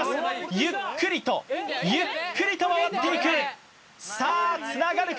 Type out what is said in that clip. ゆっくりとゆっくりと回っていくさあつながるか？